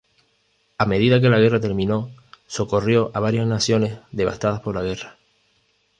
A medida que la guerra terminó, socorrió a varias naciones devastadas por la guerra.